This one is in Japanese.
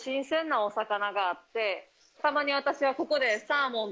たまに私はここで。